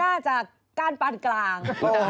น่าจะก้านปานกลาง